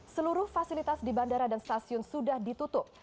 seluruh fasilitas di bandara dan stasiun sudah ditutup